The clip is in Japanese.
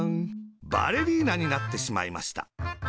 バレリーナになってしまいました。